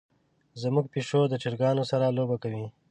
زمونږ پیشو د چرګانو سره لوبه کوي.